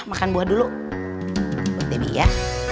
hai mbak makan buah dulu lebih ya